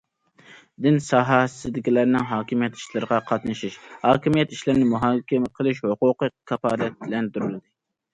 دىن ساھەسىدىكىلەرنىڭ ھاكىمىيەت ئىشلىرىغا قاتنىشىش، ھاكىمىيەت ئىشلىرىنى مۇھاكىمە قىلىش ھوقۇقى كاپالەتلەندۈرۈلدى.